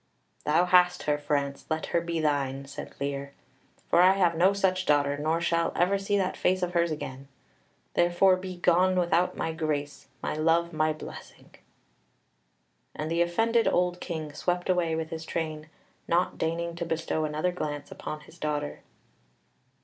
"Thou hast her, France; let her be thine," said Lear, "for I have no such daughter, nor shall ever see that face of hers again. Therefore be gone without my grace, my love, my blessing." And the offended old King swept away with his train, not deigning to bestow another glance upon his daughter.